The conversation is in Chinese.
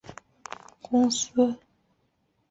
英国纵贯铁路是英国的一家铁路客运公司。